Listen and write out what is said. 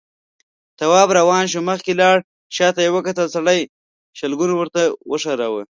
تواب روان شو، مخکې لاړ، شاته يې وکتل، سړي شلګون ورته وښوراوه.